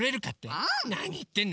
なにいってんの？